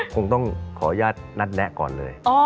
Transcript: คงต้องขออนุญาตนัดแนะก่อนเลย